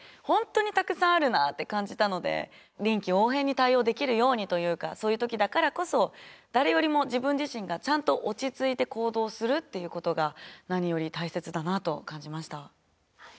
本当にたくさんあるなあって感じたので臨機応変に対応できるようにというかそういう時だからこそ誰よりも自分自身がちゃんと落ち着いて行動するっていうことが何より大切だなと感じました。